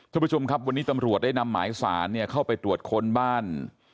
คุณผู้ชมครับวันนี้ตำรวจได้นำหมายสารเข้าไปตรวจค้นบ้าน